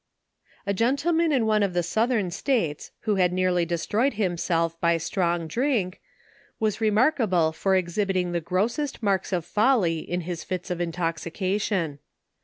A gentleman in one of the southern states, who had nearly destroyed himself by strong drink, was remarka ble for exhibiting the grossest marks of folly in his fits of intoxication.